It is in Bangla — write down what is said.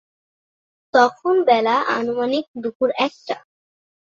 তখন বেলা আনুমানিক দুপুর একটা।